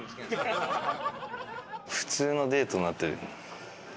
普通のデートになってる。